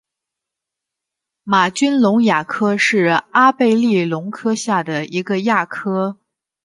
玛君龙亚科是阿贝力龙科下的一个亚科。